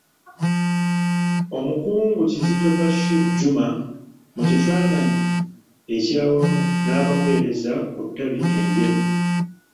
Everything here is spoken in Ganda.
Omukungu Kizito Bashir Juma mu kifaananyi ekyawamu n'abaweereza ku ttabi e Njeru.